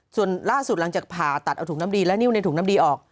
ส่วนล่าสุดหลังจากผ่าตัดเอาถุงน้ำดีและนิ้วในถุงน้ำดีออก